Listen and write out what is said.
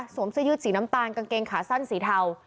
เสื้อยืดสีน้ำตาลกางเกงขาสั้นสีเทา